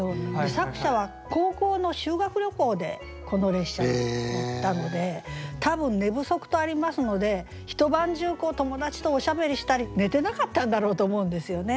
作者は高校の修学旅行でこの列車に乗ったので多分「寝不足」とありますので一晩中友達とおしゃべりしたり寝てなかったんだろうと思うんですよね。